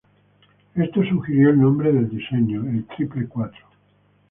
Esto sugirió el nombre del diseño, el "Triple-Cuatro".